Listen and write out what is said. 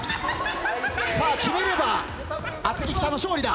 さあ決めれば厚木北の勝利だ。